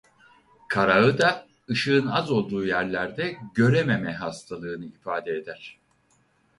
Karağı da ışığın az olduğu yerlerde görememe hastalığını ifade eder.